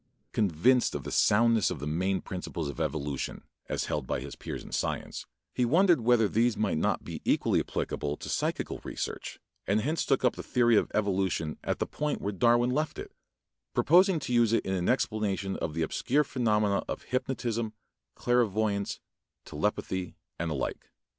Convinced of the soundness of the main principles of evolution, as held by his peers in science, he wondered whether these might not be equally applicable to psychical research, and hence took up the theory of evolution at the point where Darwin left it, proposing to use it in explanation of the obscure phenomena of hypnotism, clairvoyance, telepathy and the like.